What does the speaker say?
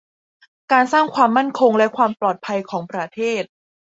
การสร้างความมั่นคงและความปลอดภัยของประเทศ